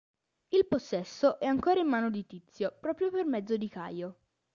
Il possesso è ancora in mano di Tizio proprio per mezzo di Caio.